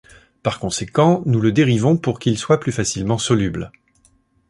Par conséquent, nous le dérivons pour qu'il soit plus facilement soluble.